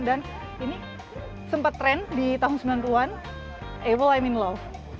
dan ini sempat tren di tahun sembilan puluh an evil i'm in love